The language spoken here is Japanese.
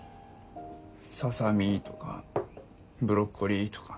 ささ身とかブロッコリーとか。